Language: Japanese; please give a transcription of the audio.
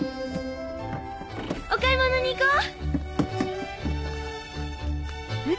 お買い物に行こう！